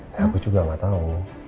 ya aku juga gak tau